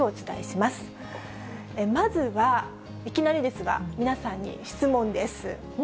まずは、いきなりですが、皆さんに質問です。